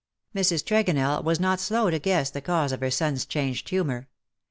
^^ Mrs. Tregonell was not slow to guess the cause of her son^s changed humour.